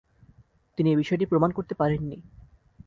তিনি এ বিষয়টি প্রমাণ করতে পারেননি।